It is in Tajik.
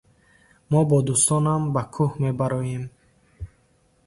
Мо бо дӯстонам ба кӯҳ мебароем.